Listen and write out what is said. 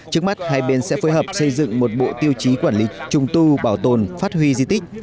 trước mắt hai bên sẽ phối hợp xây dựng một bộ tiêu chí quản lý trùng tu bảo tồn phát huy di tích